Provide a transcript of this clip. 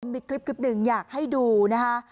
มีคลิปหนึ่งอยากให้ดูนะคะ